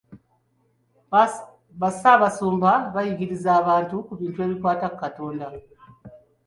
Bassaabasumba bayigiriza abantu ku bintu ebikwata ku Katonda.